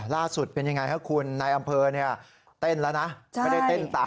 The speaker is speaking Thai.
ล่าสุดเป็นยังไงครับคุณในอำเภอเนี่ยเต้นแล้วนะ